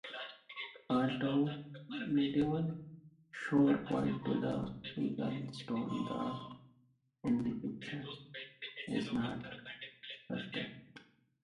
Although medieval sources point to the eagle-stone, the identification is not certain.